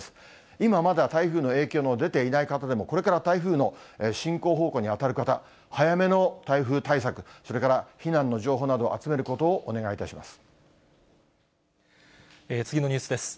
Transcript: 今まだ台風の影響の出ていない方でも、これから台風の進行方向に当たる方、早めの台風対策、それから避難の情報などを集める次のニュースです。